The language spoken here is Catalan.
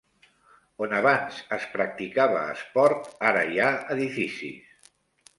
On abans es practicava esport ara hi ha edificis.